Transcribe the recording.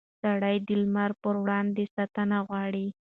سړي د لمر پر وړاندې ساتنه غواړي.